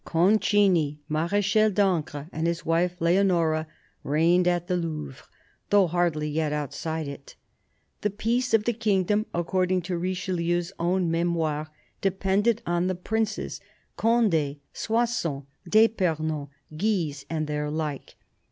Concini, Marechal d'Ancre, and his wife Leonora, reigned at the Louvre, though hardly yet outside it. The peace of the kingdom, according to Richelieu's own Memoirs, depended on the princes — Conde, Soissons, d' fipernon. Guise, and their like.